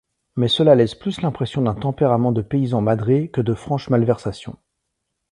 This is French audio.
Mais cela laisse plus l’impression d’un tempérament de paysan madré que de franches malversations.